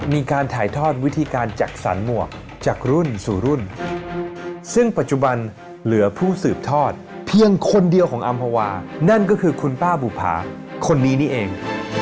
มีการถ่ายทอดวิธีการจัดสรรหมวกจากรุ่นสู่รุ่นซึ่งปัจจุบันเหลือผู้สืบทอดเพียงคนเดียวของอำภาวานั่นก็คือคุณป้าบุภาคนนี้นี่เอง